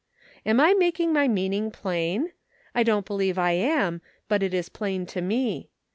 Am I making my meaning plain ? I don't believe I am, but it is plain to me.